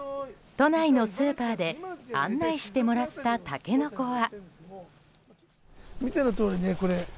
都内のスーパーで案内してもらったタケノコは。